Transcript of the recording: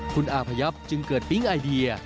คุณอาพยับจึงเกิดปิ๊งไอเดีย